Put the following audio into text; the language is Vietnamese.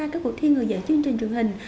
các cuộc thi người dạy chương trình truyền hình